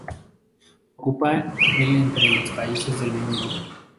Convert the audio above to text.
Ocupa el entre los países del mundo.